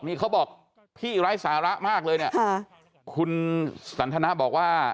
นี่เขาบอกพี่ไร้สาระมากเลยเนี่ยค่ะคุณสันทนาบอกว่า